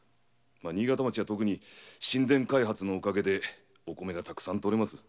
新潟町は特に新田開発のおかげでお米がたくさん取れます。